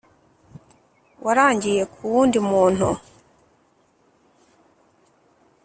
warangiye ku wundi muntu